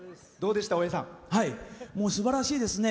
もうすばらしいですね。